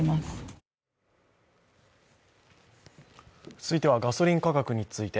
続いてはガソリン価格について。